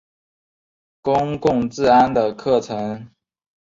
公共治安的课程。